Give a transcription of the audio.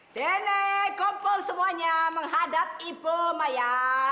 sini kumpul semuanya menghadap ibu maya